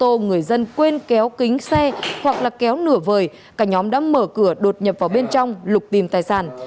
trong xe ô tô người dân quên kéo kính xe hoặc là kéo nửa vời cả nhóm đã mở cửa đột nhập vào bên trong lục tìm tài sản